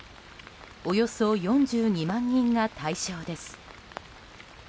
およそ４２万人が対象です。